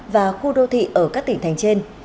và khu đô thị ở các tỉnh thành trên